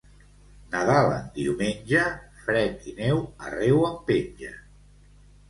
Nadal en diumenge, fred i neu arreu en penja.